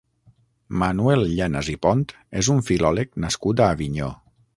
Manuel Llanas i Pont és un filòleg nascut a Avinyó.